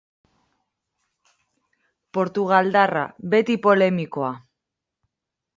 Portugaldarra, beti polemikoa.